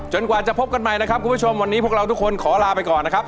กว่าจะพบกันใหม่นะครับคุณผู้ชมวันนี้พวกเราทุกคนขอลาไปก่อนนะครับ